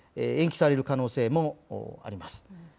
延期される可能性もあります。